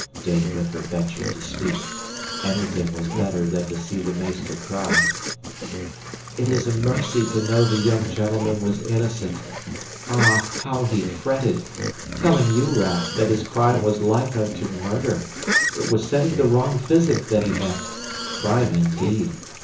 Dame Brinker ventured to speak. Anything was better than to see the meester cry. "It is a mercy to know the young gentleman was innocent. Ah, how he fretted! Telling you, Raff, that his crime was like unto murder. It was sending the wrong physic that he meant. Crime indeed!